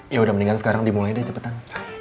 ya udah mendingan sekarang dimulai deh cepetan